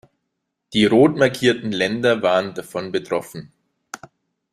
Die rot markierten Länder waren davon betroffen.